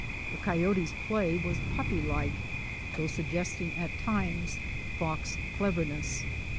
The coyote's play was puppy like, though suggesting at times fox cleverness.